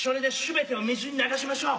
べてを水に流しましょう。